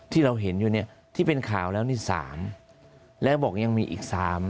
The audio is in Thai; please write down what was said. ที่เราเห็นอยู่เนี่ยที่เป็นข่าวแล้วนี่๓แล้วบอกยังมีอีก๓